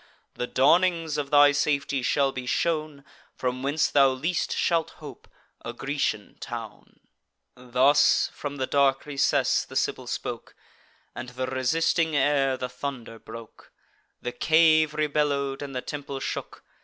The dawnings of thy safety shall be shown From whence thou least shalt hope, a Grecian town." Thus, from the dark recess, the Sibyl spoke, And the resisting air the thunder broke; The cave rebellow'd, and the temple shook.